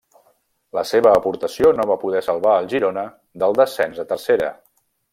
La seva aportació no va poder salvar el Girona del descens a Tercera.